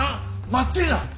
待ってえな！